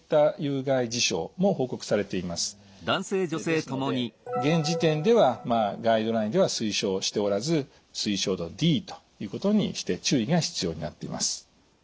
ですので現時点ではガイドラインでは推奨しておらず推奨度Ｄということにして注意が必要になっています。